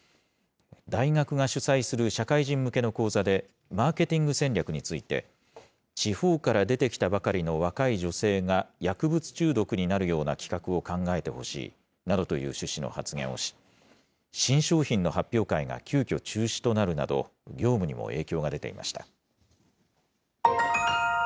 大学が主催する社会人向けの講座で、マーケティング戦略について、地方から出てきたばかりの若い女性が薬物中毒になるような企画を考えてほしいなどという趣旨の発言をし、新商品の発表会が急きょ中止となるなど、業務にも影響が出ていました。